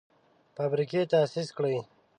فابریکې تاسیس کړي.